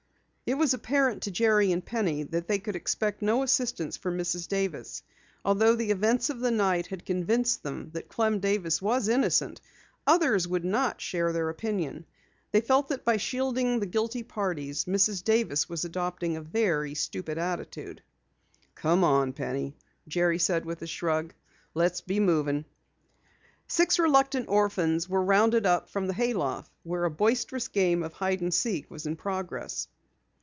It was apparent to Jerry and Penny that they could expect no assistance from Mrs. Davis. Although the events of the night had convinced them that Clem Davis was innocent, others would not share their opinion. They felt that by shielding the guilty parties, Mrs. Davis was adopting a very stupid attitude. "Come along, Penny," Jerry said with a shrug. "Let's be moving." Six reluctant orphans were rounded up from the hay loft where a boisterous game of hide and seek was in progress.